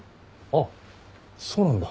あっそうなんだ。